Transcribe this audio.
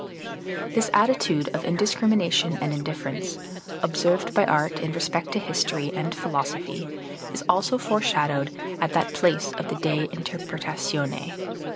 III This attitude of indiscrimination and indifference, observed by art in respect to history and philosophy, is also foreshadowed at that place of the De interpretatione (c.